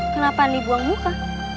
kenapa dibuang muka